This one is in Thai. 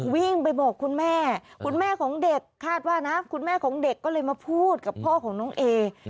วิ่งไปบอกคุณแม่คุณแม่ของเด็กคาดว่านะคุณแม่ของเด็กก็เลยมาพูดกับพ่อของน้องเอ